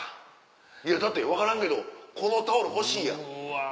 いやだって分からんけどこのタオル欲しいやん。